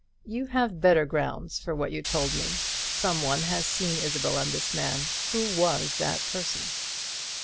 You have better grounds for what you told me. Some one has seen Isabel and this man. Who was that person?"